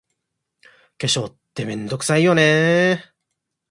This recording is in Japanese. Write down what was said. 化粧って、めんどくさいよね。